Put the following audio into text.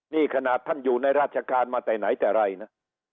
นี่ขนาดท่านอยู่ในราชการมาแต่ไหนแต่ไรนะ